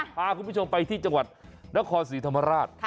พาคุณผู้ชมไปที่จังหวัดนครศรีธรรมราช